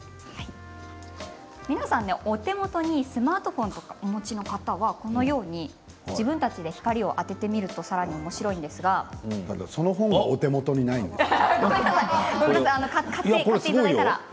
皆さんお手元にスマートフォンお持ちの方はこのように自分たちで光を当ててみるとさらにその本がお手元にないんですよ。